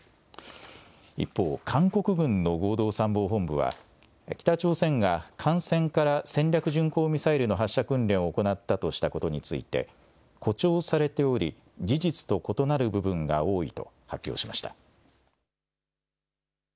一方、韓国軍の合同参謀本部は、北朝鮮が艦船から戦略巡航ミサイルの発射訓練を行ったとしたことについて、誇張されており、事実と異なる部分が多いと発表しました。